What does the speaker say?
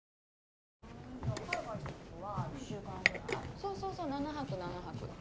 そうそうそう７泊７泊。